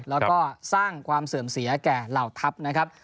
แล้วก็สร้างความเสื่อมเสียแก่เหล่าทัพนะครับ